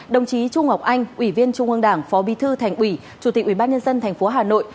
đồng chí trung ngọc anh ủy viên trung ương đảng phó bi thư thành uỷ chủ tịch ubnd tp hà nội